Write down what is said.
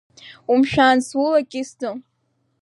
Умшәан, сулакьысӡом.